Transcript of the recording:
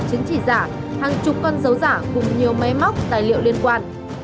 chứng chỉ giả hàng chục con dấu giả cùng nhiều máy móc tài liệu liên quan